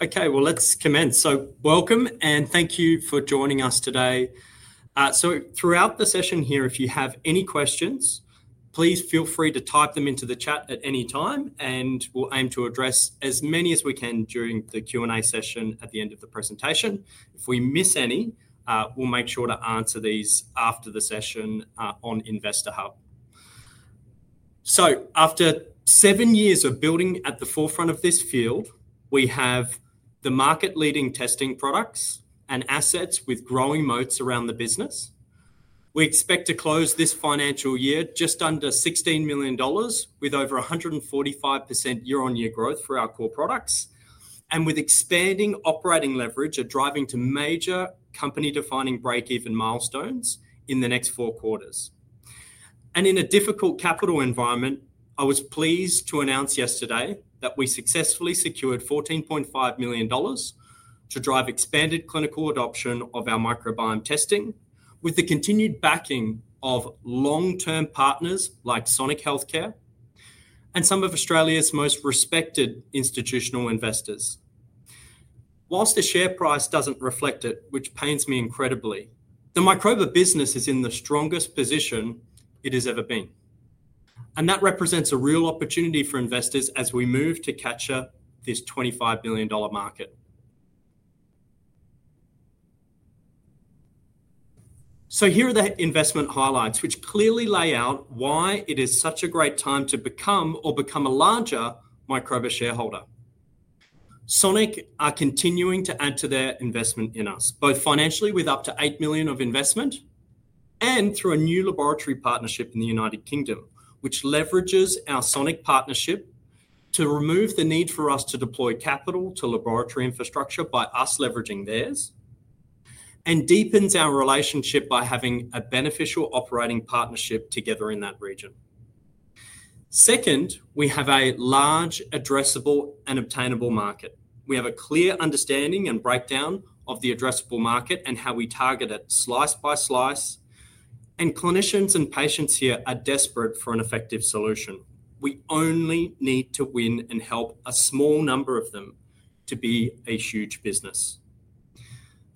Okay, let's commence. Welcome, and thank you for joining us today. Throughout the session here, if you have any questions, please feel free to type them into the chat at any time, and we'll aim to address as many as we can during the Q&A session at the end of the presentation. If we miss any, we'll make sure to answer these after the session, on Investor Hub. After seven years of building at the forefront of this field, we have the market-leading testing products and assets with growing moats around the business. We expect to close this financial year just under 16 million dollars, with over 145% year-on-year growth for our core products, and with expanding operating leverage driving to major company-defining break-even milestones in the next four quarters. In a difficult capital environment, I was pleased to announce yesterday that we successfully secured 14.5 million dollars to drive expanded clinical adoption of our microbiome testing, with the continued backing of long-term partners like Sonic Healthcare and some of Australia's most respected institutional investors. Whilst the share price does not reflect it, which pains me incredibly, the Microba business is in the strongest position it has ever been, and that represents a real opportunity for investors as we move to capture this 25-billion market. Here are the investment highlights, which clearly lay out why it is such a great time to become or become a larger Microba shareholder. Sonic are continuing to add to their investment in us, both financially with up to 8 million of investment and through a new laboratory partnership in the United Kingdom, which leverages our Sonic partnership to remove the need for us to deploy capital to laboratory infrastructure by us leveraging theirs, and deepens our relationship by having a beneficial operating partnership together in that region. Second, we have a large, addressable, and obtainable market. We have a clear understanding and breakdown of the addressable market and how we target it slice by slice, and clinicians and patients here are desperate for an effective solution. We only need to win and help a small number of them to be a huge business.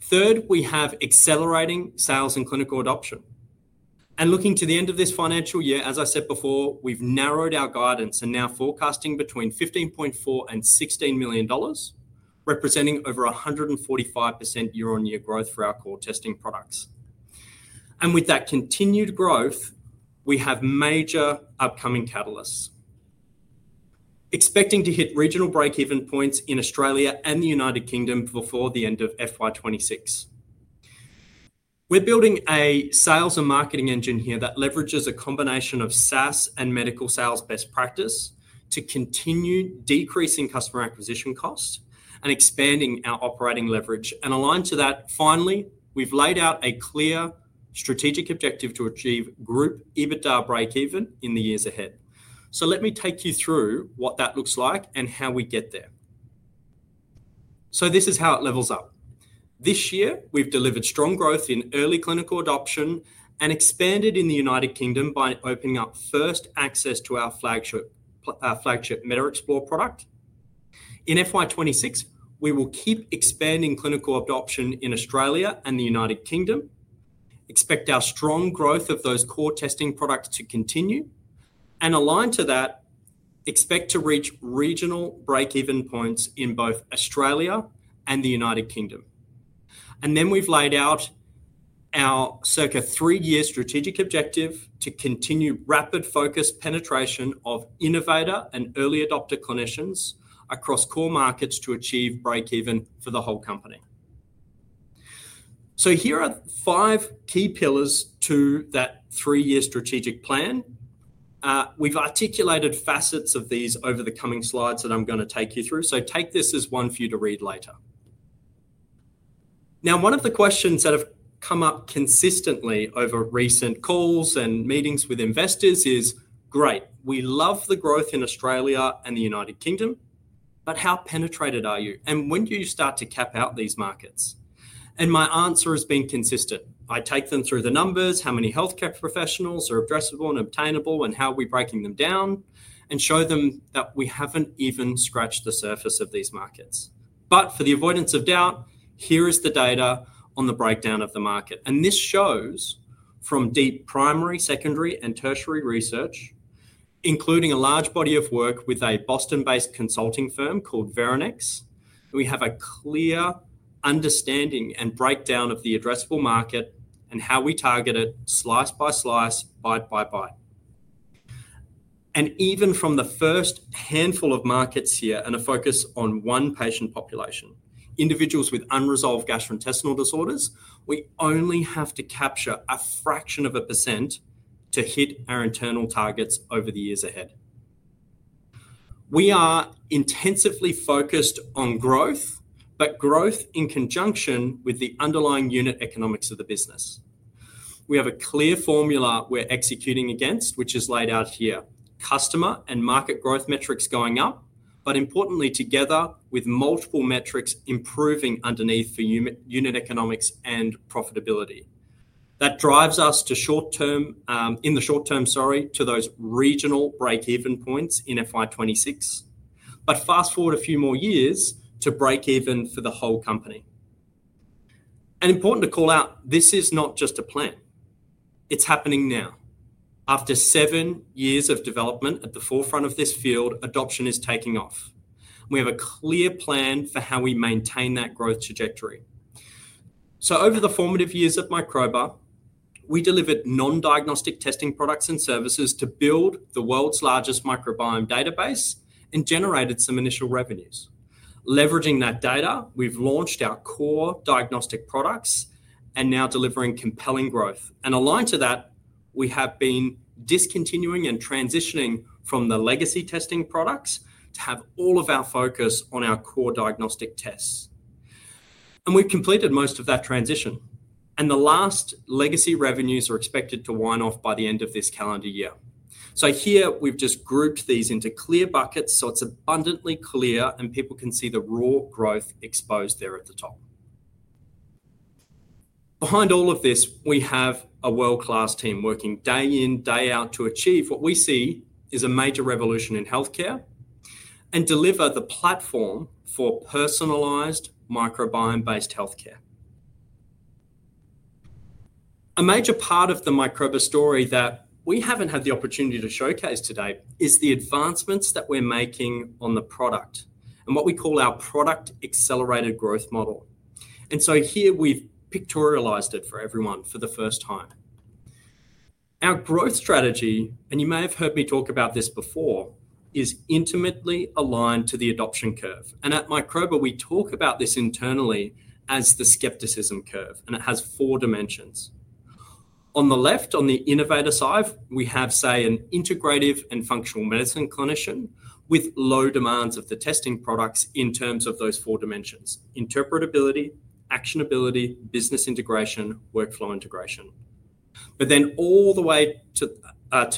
Third, we have accelerating sales and clinical adoption. Looking to the end of this financial year, as I said before, we've narrowed our guidance and are now forecasting between 15.4 million and 16 million dollars, representing over 145% year-on-year growth for our core testing products. With that continued growth, we have major upcoming catalysts, expecting to hit regional break-even points in Australia and the United Kingdom before the end of FY2026. We're building a sales and marketing engine here that leverages a combination of SaaS and medical sales best practice to continue decreasing customer acquisition costs and expanding our operating leverage. Aligned to that, finally, we've laid out a clear strategic objective to achieve group EBITDA break-even in the years ahead. Let me take you through what that looks like and how we get there. This is how it levels up. This year, we've delivered strong growth in early clinical adoption and expanded in the U.K. by opening up first access to our flagship, flagship MetaExplore product. In FY2026, we will keep expanding clinical adoption in Australia and the U.K., expect our strong growth of those core testing products to continue, and aligned to that, expect to reach regional break-even points in both Australia and the U.K. We have laid out our circa three-year strategic objective to continue rapid focus penetration of innovator and early adopter clinicians across core markets to achieve break-even for the whole company. Here are five key pillars to that three-year strategic plan. We've articulated facets of these over the coming slides that I'm gonna take you through, so take this as one for you to read later. Now, one of the questions that have come up consistently over recent calls and meetings with investors is, "Great, we love the growth in Australia and the United Kingdom, but how penetrated are you? And when do you start to cap out these markets?" My answer has been consistent. I take them through the numbers, how many healthcare professionals are addressable and obtainable, and how are we breaking them down, and show them that we have not even scratched the surface of these markets. For the avoidance of doubt, here is the data on the breakdown of the market. This shows from deep primary, secondary, and tertiary research, including a large body of work with a Boston-based consulting firm called Veranex. We have a clear understanding and breakdown of the addressable market and how we target it slice by slice, bite by bite. Even from the first handful of markets here and a focus on one patient population, individuals with unresolved gastrointestinal disorders, we only have to capture a fraction of a percent to hit our internal targets over the years ahead. We are intensively focused on growth, but growth in conjunction with the underlying unit economics of the business. We have a clear formula we're executing against, which is laid out here: customer and market growth metrics going up, but importantly, together with multiple metrics improving underneath for unit economics and profitability. That drives us to, in the short term, those regional break-even points in FY2026. Fast forward a few more years to break-even for the whole company. Important to call out, this is not just a plan. It's happening now. After seven years of development at the forefront of this field, adoption is taking off. We have a clear plan for how we maintain that growth trajectory. Over the formative years of Microba, we delivered non-diagnostic testing products and services to build the world's largest microbiome database and generated some initial revenues. Leveraging that data, we've launched our core diagnostic products and are now delivering compelling growth. Aligned to that, we have been discontinuing and transitioning from the legacy testing products to have all of our focus on our core diagnostic tests. We've completed most of that transition, and the last legacy revenues are expected to wind off by the end of this calendar year. Here, we've just grouped these into clear buckets, so it's abundantly clear, and people can see the raw growth exposed there at the top. Behind all of this, we have a world-class team working day in, day out to achieve what we see is a major revolution in healthcare and deliver the platform for personalized microbiome-based healthcare. A major part of the Microba story that we have not had the opportunity to showcase today is the advancements that we are making on the product and what we call our product accelerated growth model. Here, we have pictorialized it for everyone for the first time. Our growth strategy, and you may have heard me talk about this before, is intimately aligned to the adoption curve. At Microba, we talk about this internally as the skepticism curve, and it has four dimensions. On the left, on the innovator side, we have, say, an integrative and functional medicine clinician with low demands of the testing products in terms of those four dimensions: interpretability, actionability, business integration, workflow integration. All the way to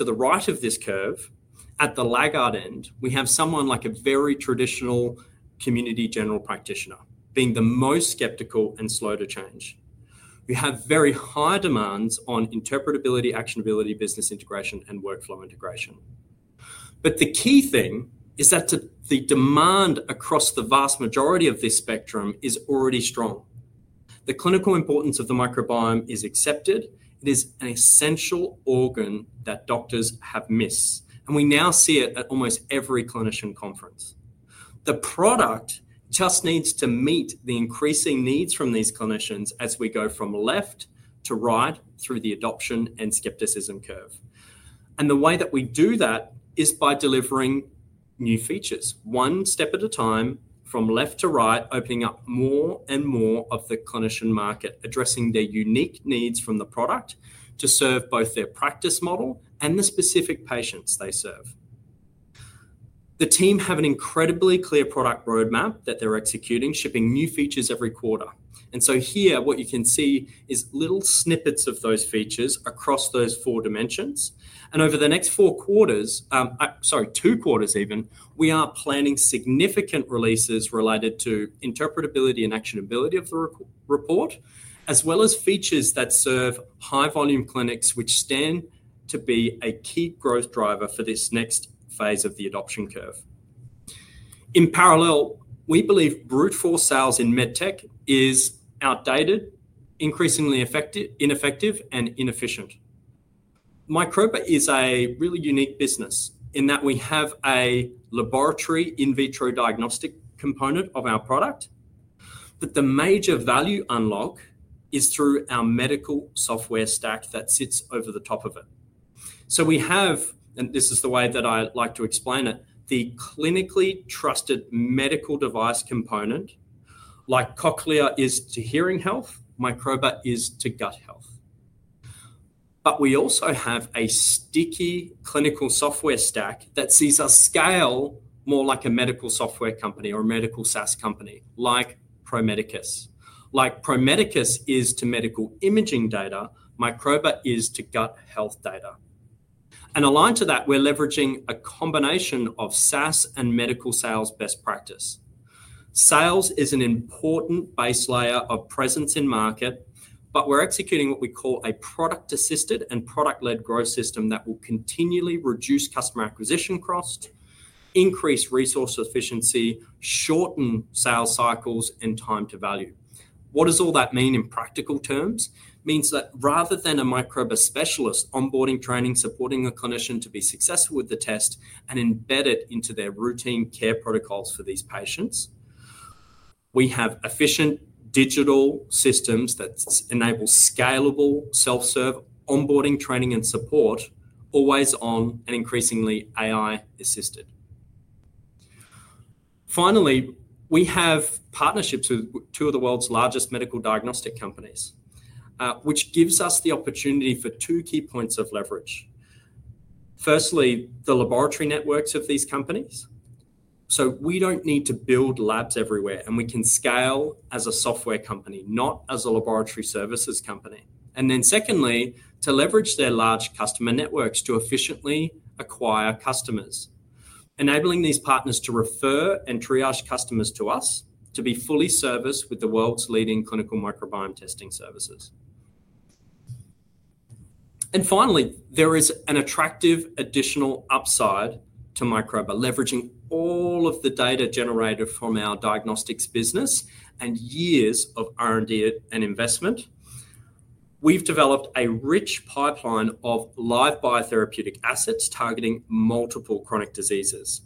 the right of this curve, at the laggard end, we have someone like a very traditional community general practitioner being the most skeptical and slow to change. We have very high demands on interpretability, actionability, business integration, and workflow integration. The key thing is that the demand across the vast majority of this spectrum is already strong. The clinical importance of the microbiome is accepted. It is an essential organ that doctors have missed, and we now see it at almost every clinician conference. The product just needs to meet the increasing needs from these clinicians as we go from left to right through the adoption and skepticism curve. The way that we do that is by delivering new features, one step at a time from left to right, opening up more and more of the clinician market, addressing their unique needs from the product to serve both their practice model and the specific patients they serve. The team have an incredibly clear product roadmap that they're executing, shipping new features every quarter. Here, what you can see is little snippets of those features across those four dimensions. Over the next four quarters, I—sorry, two quarters even—we are planning significant releases related to interpretability and actionability of the report, as well as features that serve high-volume clinics, which stand to be a key growth driver for this next phase of the adoption curve. In parallel, we believe brute force sales in medtech is outdated, increasingly ineffective, and inefficient. Microba is a really unique business in that we have a laboratory in vitro diagnostic component of our product, but the major value unlock is through our medical software stack that sits over the top of it. We have, and this is the way that I like to explain it, the clinically trusted medical device component—like Cochlear is to hearing health, Microba is to gut health. We also have a sticky clinical software stack that sees us scale more like a medical software company or a medical SaaS company like Pro Medicus. Like Pro Medicus is to medical imaging data, Microba is to gut health data. Aligned to that, we're leveraging a combination of SaaS and medical sales best practice. Sales is an important base layer of presence in market, but we're executing what we call a product-assisted and product-led growth system that will continually reduce customer acquisition costs, increase resource efficiency, shorten sales cycles, and time to value. What does all that mean in practical terms? It means that rather than a Microba specialist onboarding, training, supporting a clinician to be successful with the test and embedded into their routine care protocols for these patients, we have efficient digital systems that enable scalable self-serve onboarding, training, and support, always on and increasingly AI-assisted. Finally, we have partnerships with two of the world's largest medical diagnostic companies, which gives us the opportunity for two key points of leverage. Firstly, the laboratory networks of these companies. We do not need to build labs everywhere, and we can scale as a software company, not as a laboratory services company. Secondly, we can leverage their large customer networks to efficiently acquire customers, enabling these partners to refer and triage customers to us to be fully serviced with the world's leading clinical microbiome testing services. Finally, there is an attractive additional upside to Microba, leveraging all of the data generated from our diagnostics business and years of R&D and investment. We have developed a rich pipeline of live-biotherapeutic assets targeting multiple chronic diseases.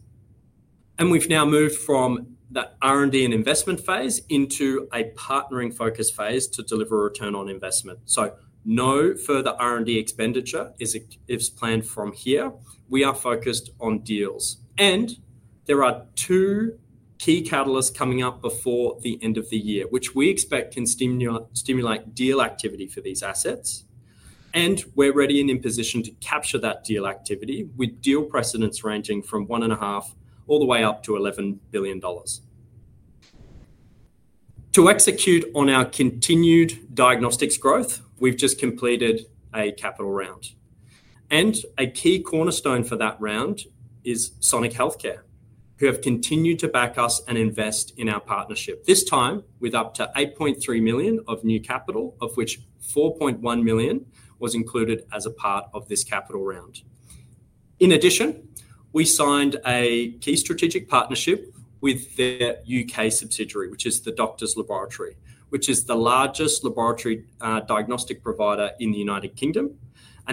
We have now moved from that R&D and investment phase into a partnering focus phase to deliver return on investment. No further R&D expenditure is planned from here. We are focused on deals. There are two key catalysts coming up before the end of the year, which we expect can stimulate deal activity for these assets. We are ready and in position to capture that deal activity with deal precedents ranging from 1.5 billion all the way up to 11 billion dollars. To execute on our continued diagnostics growth, we have just completed a capital round. A key cornerstone for that round is Sonic Healthcare, who have continued to back us and invest in our partnership, this time with up to 8.3 million of new capital, of which 4.1 million was included as a part of this capital round. In addition, we signed a key strategic partnership with their U.K. subsidiary, which is The Doctors Laboratory, which is the largest laboratory diagnostic provider in the United Kingdom.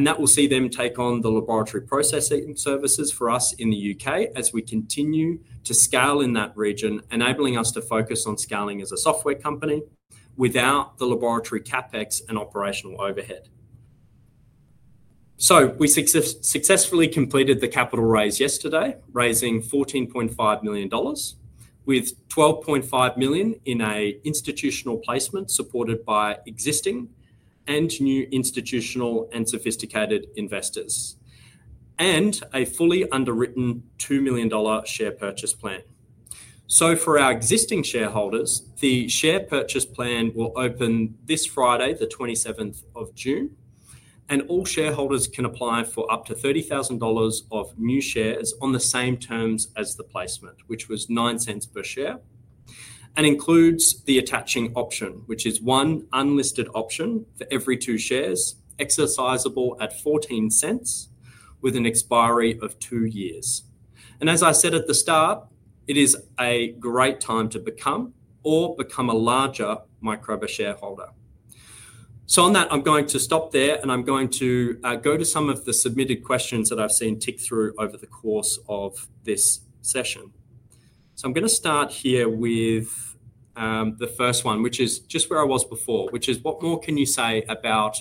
That will see them take on the laboratory processing services for us in the U.K. as we continue to scale in that region, enabling us to focus on scaling as a software company without the laboratory CapEx and operational overhead. We successfully completed the capital raise yesterday, raising 14.5 million dollars, with 12.5 million in an institutional placement supported by existing and new institutional and sophisticated investors, and a fully underwritten 2 million dollar Share Purchase Plan. For our existing shareholders, the Share Purchase Plan will open this Friday, the 27th of June, and all shareholders can apply for up to 30,000 dollars of new shares on the same terms as the placement, which was 0.09 per share, and includes the attaching option, which is one unlisted option for every two shares, exercisable at 0.14 with an expiry of two years. As I said at the start, it is a great time to become or become a larger Microba shareholder. On that, I'm going to stop there, and I'm going to go to some of the submitted questions that I've seen tick through over the course of this session. I'm gonna start here with the first one, which is just where I was before, which is, what more can you say about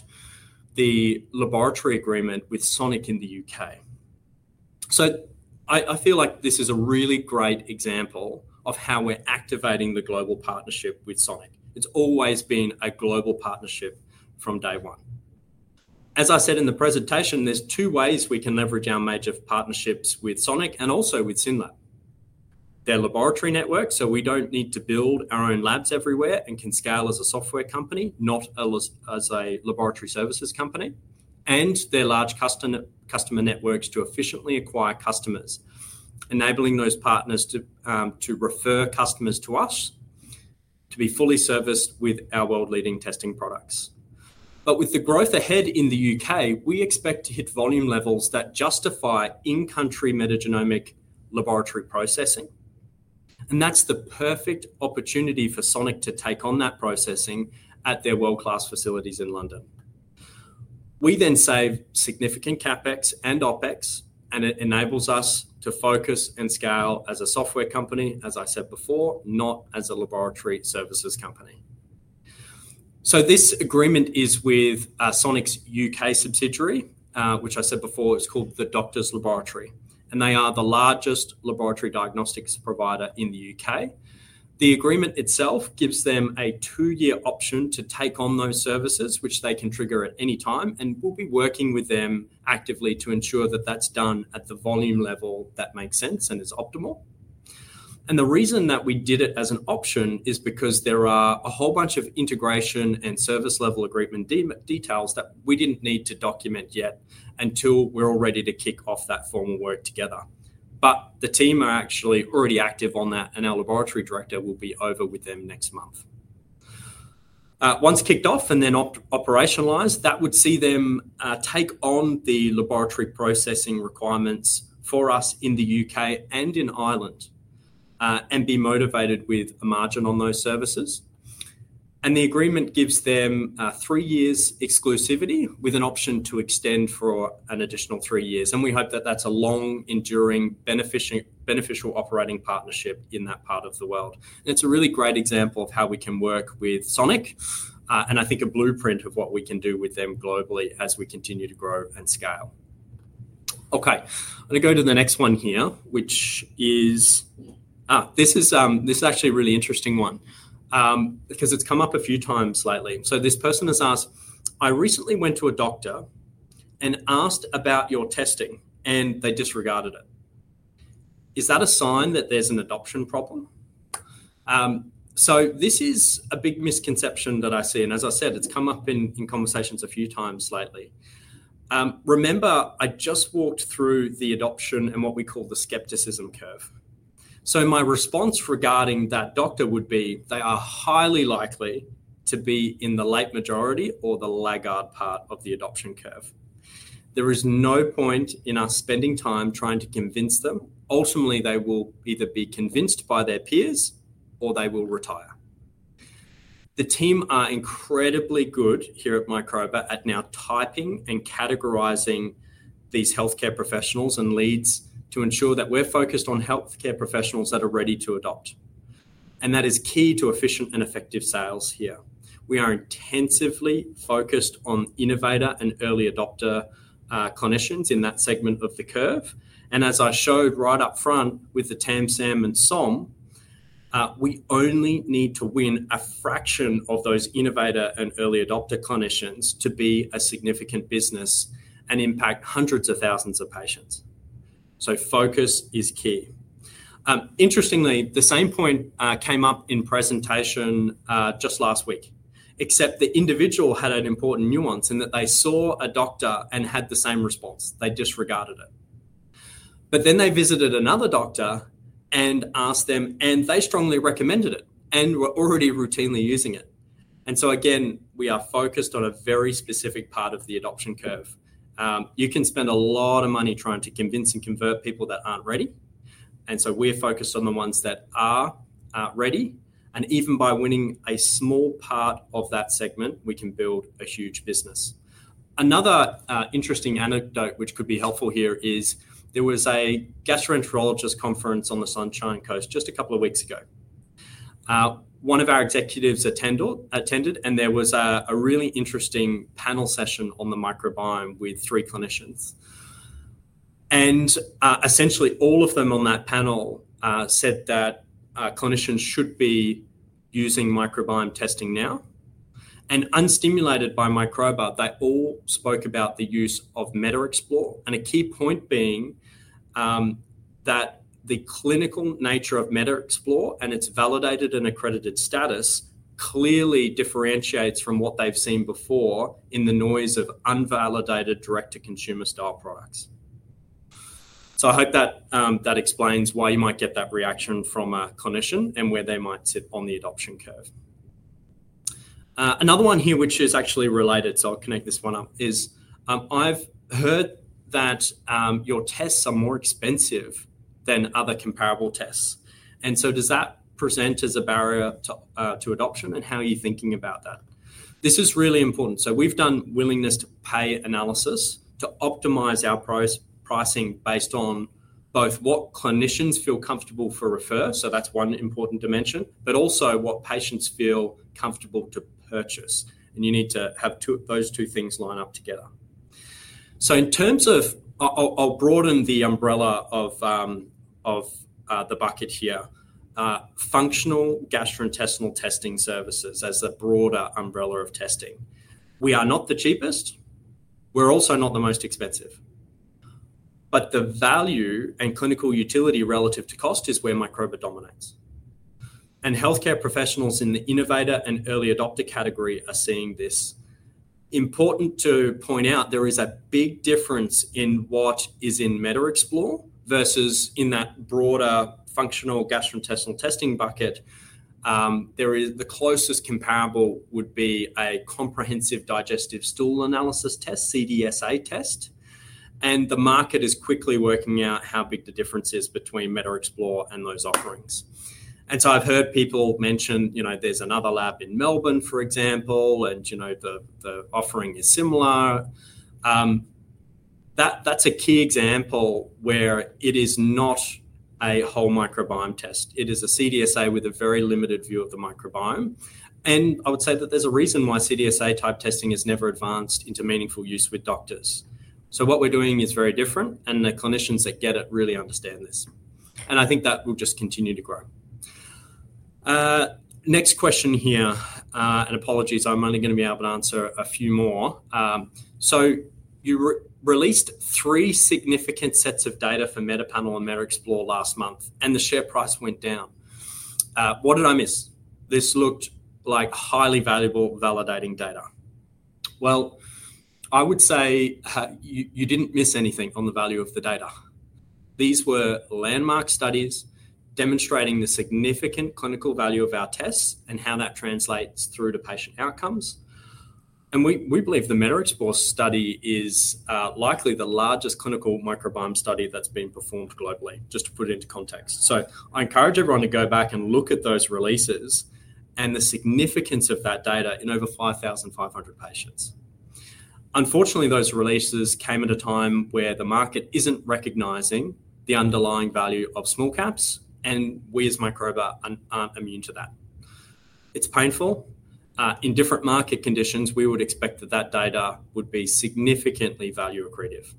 the laboratory agreement with Sonic in the U.K.? I feel like this is a really great example of how we're activating the global partnership with Sonic. It's always been a global partnership from day one. As I said in the presentation, there are two ways we can leverage our major partnerships with Sonic and also with Synlab. Their laboratory network, so we do not need to build our own labs everywhere and can scale as a software company, not as a laboratory services company, and their large customer networks to efficiently acquire customers, enabling those partners to refer customers to us to be fully serviced with our world-leading testing products. With the growth ahead in the U.K., we expect to hit volume levels that justify in-country metagenomic laboratory processing. That is the perfect opportunity for Sonic to take on that processing at their world-class facilities in London. We then save significant CapEx and OpEx, and it enables us to focus and scale as a software company, as I said before, not as a laboratory services company. This agreement is with Sonic's U.K. subsidiary, which I said before is called The Doctors Laboratory, and they are the largest laboratory diagnostics provider in the U.K. The agreement itself gives them a two-year option to take on those services, which they can trigger at any time, and we'll be working with them actively to ensure that that's done at the volume level that makes sense and is optimal. The reason that we did it as an option is because there are a whole bunch of integration and service level agreement details that we didn't need to document yet until we're all ready to kick off that formal work together. The team are actually already active on that, and our laboratory director will be over with them next month. Once kicked off and then operationalized, that would see them take on the laboratory processing requirements for us in the U.K. and in Ireland, and be motivated with a margin on those services. The agreement gives them three years exclusivity with an option to extend for an additional three years. We hope that is a long, enduring, beneficial operating partnership in that part of the world. It is a really great example of how we can work with Sonic, and I think a blueprint of what we can do with them globally as we continue to grow and scale. Okay, I am gonna go to the next one here, which is, this is actually a really interesting one, because it has come up a few times lately. This person has asked, I recently went to a doctor and asked about your testing, and they disregarded it. Is that a sign that there is an adoption problem? This is a big misconception that I see. As I said, it has come up in conversations a few times lately. Remember, I just walked through the adoption and what we call the skepticism curve. My response regarding that doctor would be, they are highly likely to be in the late majority or the laggard part of the adoption curve. There is no point in us spending time trying to convince them. Ultimately, they will either be convinced by their peers or they will retire. The team are incredibly good here at Microba at now typing and categorizing these healthcare professionals and leads to ensure that we are focused on healthcare professionals that are ready to adopt. That is key to efficient and effective sales here. We are intensively focused on innovator and early adopter clinicians in that segment of the curve. As I showed right up front with the TAM, SAM, and SOM, we only need to win a fraction of those innovator and early adopter clinicians to be a significant business and impact hundreds of thousands of patients. Focus is key. Interestingly, the same point came up in presentation just last week, except the individual had an important nuance in that they saw a doctor and had the same response. They disregarded it. Then they visited another doctor and asked them, and they strongly recommended it and were already routinely using it. Again, we are focused on a very specific part of the adoption curve. You can spend a lot of money trying to convince and convert people that are not ready. We are focused on the ones that are ready. Even by winning a small part of that segment, we can build a huge business. Another interesting anecdote, which could be helpful here, is there was a gastroenterologist conference on the Sunshine Coast just a couple of weeks ago. One of our executives attended, and there was a really interesting panel session on the microbiome with three clinicians. Essentially, all of them on that panel said that clinicians should be using microbiome testing now. Unstimulated by Microba, they all spoke about the use of MetaExplore, and a key point being that the clinical nature of MetaExplore and its validated and accredited status clearly differentiates from what they have seen before in the noise of unvalidated direct-to-consumer style products. I hope that explains why you might get that reaction from a clinician and where they might sit on the adoption curve. Another one here, which is actually related, so I'll connect this one up, is, I've heard that your tests are more expensive than other comparable tests. Does that present as a barrier to adoption? How are you thinking about that? This is really important. We've done willingness to pay analysis to optimize our pricing based on both what clinicians feel comfortable to refer. That's one important dimension, but also what patients feel comfortable to purchase. You need to have those two things line up together. In terms of, I'll broaden the umbrella of the bucket here, functional gastrointestinal testing services as a broader umbrella of testing. We are not the cheapest. We're also not the most expensive. The value and clinical utility relative to cost is where Microba dominates. Healthcare professionals in the innovator and early adopter category are seeing this. It is important to point out, there is a big difference in what is in MetaExplore versus in that broader functional gastrointestinal testing bucket. The closest comparable would be a Comprehensive Digestive Stool Analysis test, CDSA test. The market is quickly working out how big the difference is between MetaExplore and those offerings. I have heard people mention, you know, there is another lab in Melbourne, for example, and you know, the offering is similar. That is a key example where it is not a whole microbiome test. It is a CDSA with a very limited view of the microbiome. I would say that there is a reason why CDSA type testing has never advanced into meaningful use with doctors. What we are doing is very different. The clinicians that get it really understand this. I think that will just continue to grow. Next question here, and apologies, I'm only gonna be able to answer a few more. You released three significant sets of data for Meta Panel and MetaExplore last month, and the share price went down. What did I miss? This looked like highly valuable validating data. I would say you didn't miss anything on the value of the data. These were landmark studies demonstrating the significant clinical value of our tests and how that translates through to patient outcomes. We believe the MetaExplore study is likely the largest clinical microbiome study that's been performed globally, just to put it into context. I encourage everyone to go back and look at those releases and the significance of that data in over 5,500 patients. Unfortunately, those releases came at a time where the market is not recognizing the underlying value of small caps, and we as Microba are not immune to that. It is painful. In different market conditions, we would expect that that data would be significantly value accretive.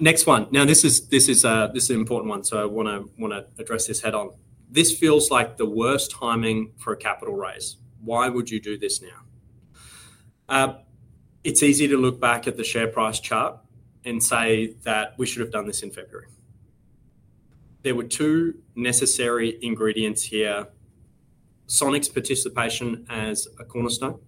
Next one. Now, this is an important one. I want to address this head on. This feels like the worst timing for a capital raise. Why would you do this now? It is easy to look back at the share price chart and say that we should have done this in February. There were two necessary ingredients here: Sonic's participation as a cornerstone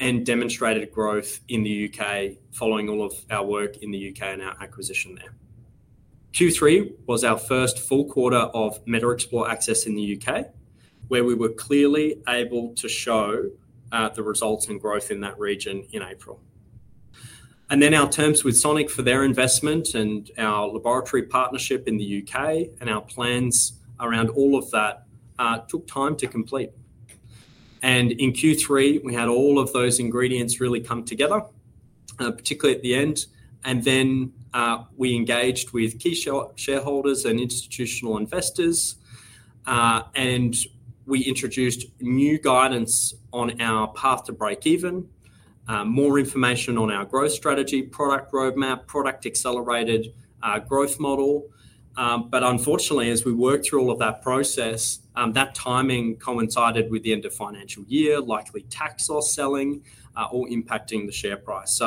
and demonstrated growth in the U.K. following all of our work in the U.K. and our acquisition there. Q3 was our first full quarter of MetaExplore access in the U.K., where we were clearly able to show the results and growth in that region in April. Our terms with Sonic for their investment and our laboratory partnership in the U.K. and our plans around all of that took time to complete. In Q3, we had all of those ingredients really come together, particularly at the end. We engaged with key shareholders and institutional investors, and we introduced new guidance on our path to break even, more information on our growth strategy, product roadmap, product accelerated growth model. Unfortunately, as we worked through all of that process, that timing coincided with the end of financial year, likely tax or selling, all impacting the share price.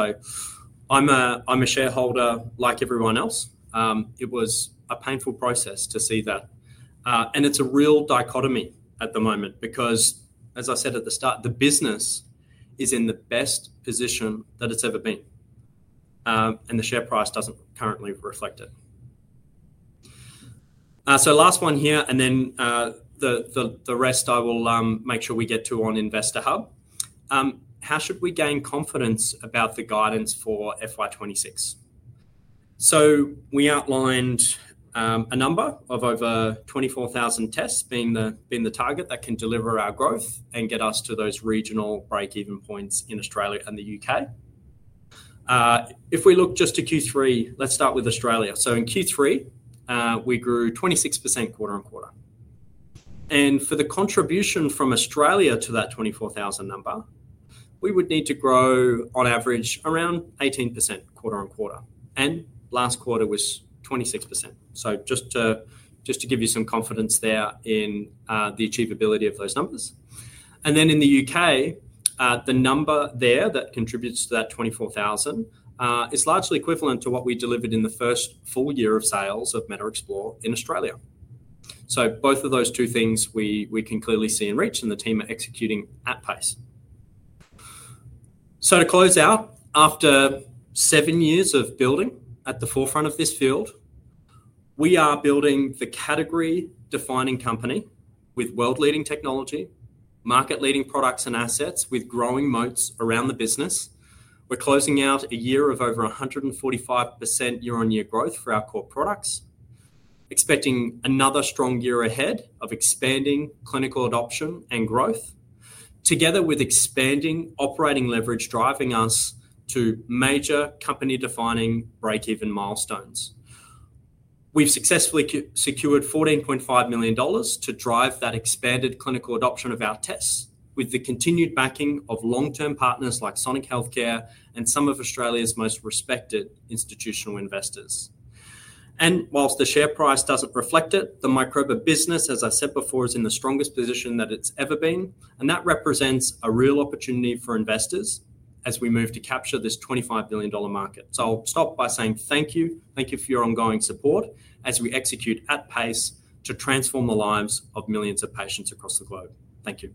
I'm a shareholder like everyone else. It was a painful process to see that. and it's a real dichotomy at the moment because, as I said at the start, the business is in the best position that it's ever been. and the share price doesn't currently reflect it. last one here, and then, the rest I will make sure we get to on Investor Hub. how should we gain confidence about the guidance for FY2026? we outlined a number of over 24,000 tests being the target that can deliver our growth and get us to those regional break-even points in Australia and the U.K. if we look just to Q3, let's start with Australia. in Q3, we grew 26% quarter-on-quarter. for the contribution from Australia to that 24,000 number, we would need to grow on average around 18% quarter-on-quarter. last quarter was 26%. Just to give you some confidence there in the achievability of those numbers. In the U.K., the number there that contributes to that 24,000 is largely equivalent to what we delivered in the first full year of sales of MetaExplore in Australia. Both of those two things we can clearly see and reach, and the team are executing at pace. To close out, after seven years of building at the forefront of this field, we are building the category-defining company with world-leading technology, market-leading products and assets with growing moats around the business. We are closing out a year of over 145% year-on-year growth for our core products, expecting another strong year ahead of expanding clinical adoption and growth, together with expanding operating leverage, driving us to major company-defining break-even milestones. have successfully secured 14.5 million dollars to drive that expanded clinical adoption of our tests with the continued backing of long-term partners like Sonic Healthcare and some of Australia's most respected institutional investors. Whilst the share price does not reflect it, the Microba business, as I said before, is in the strongest position that it has ever been, and that represents a real opportunity for investors as we move to capture this 25 billion dollar market. I will stop by saying thank you. Thank you for your ongoing support as we execute at pace to transform the lives of millions of patients across the globe. Thank you.